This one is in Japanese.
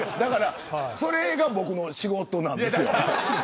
それが僕の仕事なんですよ。